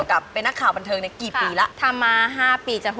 ก็ไปเจอคุณอั้มมาค่ะอะไรเนี้ย